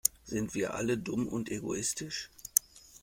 Sind wir alle dumm und egoistisch?